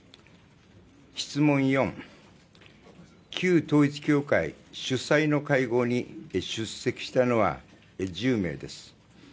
質問４、旧統一教会主催の会合に出席したのは１０名です。